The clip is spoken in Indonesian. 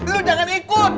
lo jangan ikut